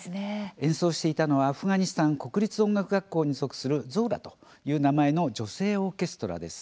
演奏していたのはアフガニスタン国立音楽学校に属する「ゾーラ」という名前の女性オーケストラです。